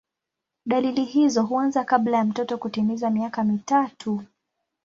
Dalili hizo huanza kabla ya mtoto kutimiza miaka mitatu.